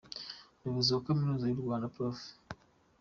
Umuyobozi wa Kaminuza y’u Rwanda, Prof.